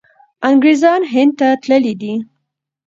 انګریزان هند ته تللي دي.